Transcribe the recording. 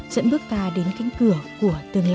dẫn bước ta đến cánh cửa của tương lai